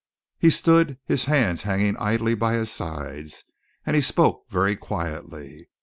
He stood, his hands hanging idly by his sides, and he spoke very quietly.